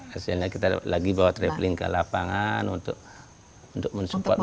hasilnya kita lagi bawa traveling ke lapangan untuk mensupport